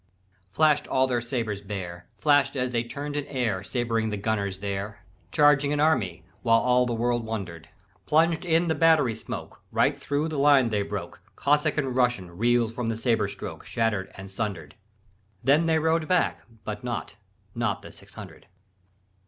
"Flash'd all their sabres bare, Flash'd as they turned in air Sabring the gunners there. Charging an army, while All the world wonder'd; Plunged in the battery smoke Right thro' the line they broke; Cossack and Russian Reel'd from the sabre stroke Shatter'd and sunder'd. Then they rode back, but not, Not the six hundred.